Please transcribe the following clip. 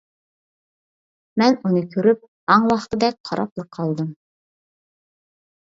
مەن ئۇنى كۆرۈپ ھاڭۋاقتىدەك قاراپلا قالدىم.